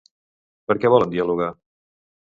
Per què volen dialogar?